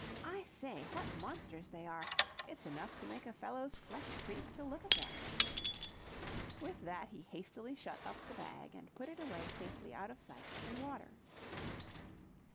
I say, what monsters they are. It's enough to make a fellow's flesh creep to look at them!" With that he hastily shut up the bag, and put it away safely out of sight in water.